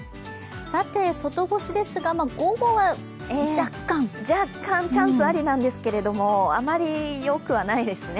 外干しですが、若干チャンスありなんですどもあまりよくはないですね。